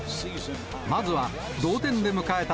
まずは同点で迎えた